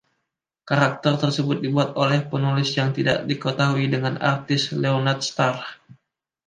Karakter tersebut dibuat oleh penulis yang tidak diketahui dengan artis Leonard Star.